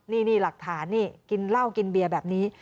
นี่หลักฐานนี่กินเหล้ากินเบียร์แบบนี้